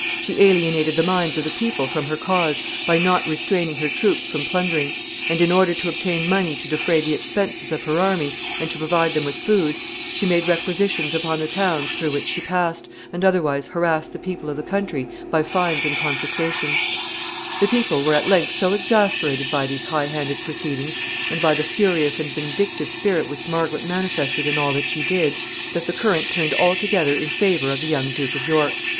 She alienated the minds of the people from her cause by not restraining her troops from plundering; and, in order to obtain money to defray the expenses of her army and to provide them with food, she made requisitions upon the towns through which she passed, and otherwise harassed the people of the country by fines and confiscations. [Sidenote: The people alarmed.] The people were at length so exasperated by these high handed proceedings, and by the furious and vindictive spirit which Margaret manifested in all that she did, that the current turned altogether in favor of the young Duke of York.